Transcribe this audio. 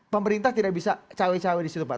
pemerintah tidak bisa cawe cawe disitu pak